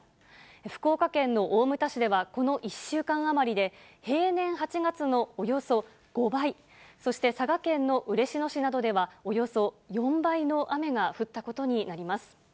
福岡県の大牟田市では、この１週間余りで、平年８月のおよそ５倍、そして佐賀県の嬉野市などではおよそ４倍の雨が降ったことになります。